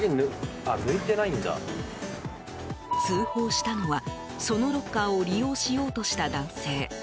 通報したのは、そのロッカーを利用しようとした男性。